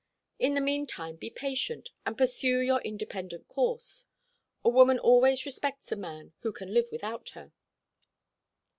In the mean time be patient, and pursue your independent course. A woman always respects a man who can live without her."